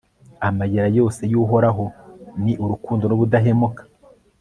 amayira yose y'uhoraho ni urukundo n'ubudahemuka